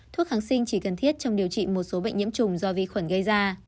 thuốc kháng sinh chỉ cần thiết trong điều trị một số bệnh nhiễm trùng do vi khuẩn gây ra